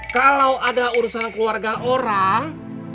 kalau ada urusan keluarga orang